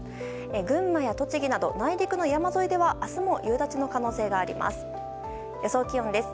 群馬や栃木など内陸の山沿いでは明日も夕立の可能性があります。